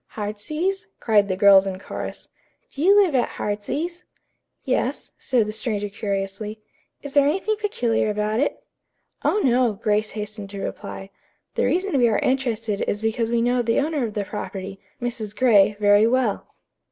"'Heartsease'?" cried the girls in chorus. "Do you live at 'Heartsease'?" "Yes," said the stranger curiously. "Is there anything peculiar about it?" "Oh, no," Grace hastened to reply. "The reason we are interested is because we know the owner of the property, Mrs. Gray, very well."